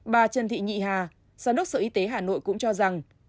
bà trần thị nhị hà giám đốc sở y tế hà nội cũng cho rằng